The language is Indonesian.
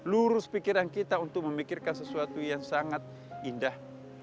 lurus pikiran kita untuk memikirkan sesuatu yang sangat indah